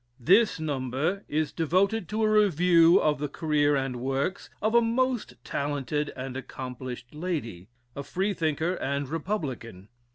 This number is devoted to a review of the career and works of a most talented and accomplished lady a Freethinker and Republican.